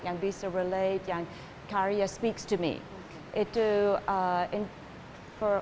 yang bisa berhubung yang karya yang berbicara dengan saya